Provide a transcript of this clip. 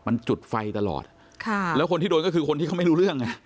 มันจุดไฟตลอดค่ะแล้วคนที่โดนก็คือคนที่เขาไม่รู้เรื่องไง